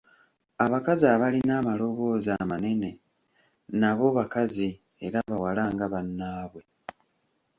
Abakazi abalina amaloboozi amanene nabo bakazi era bawala nga bannaabwe.